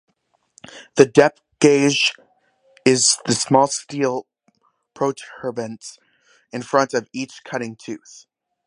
The depth gauge is the small steel protuberance in front of each cutting tooth.